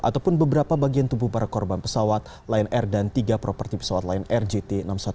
ataupun beberapa bagian tubuh para korban pesawat lion air dan tiga properti pesawat lion air jt enam ratus sepuluh